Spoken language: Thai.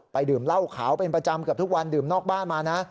ดื่มเหล้าขาวเป็นประจำเกือบทุกวันดื่มนอกบ้านมานะ